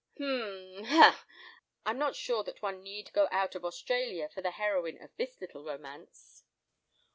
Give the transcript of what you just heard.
"H—m—ha! I'm not sure that one need go out of Australia for the heroine of this little romance."